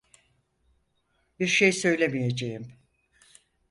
Bir şey söylemeyeceğim.